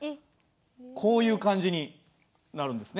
こういう感じになるんですね。